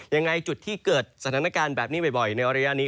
ยังไงจุดที่เกิดสถานการณ์แบบนี้บ่อยในระยะนี้